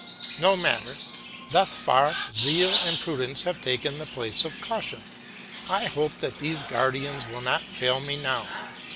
No matter! Thus far zeal and prudence have taken the place of caution. I hope that these guardians will not fail me now.